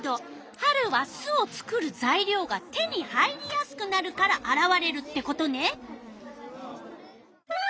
春は巣を作るざいりょうが手に入りやすくなるからあらわれるってことね。